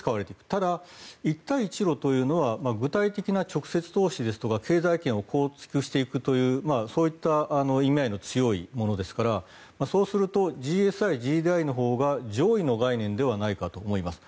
ただ、一帯一路というのは具体的な直接投資とか経済圏を構築していくというそういった意味合いの強いものですからそうするとＧＳＩ、ＧＤＩのほうが上位の概念だと思います。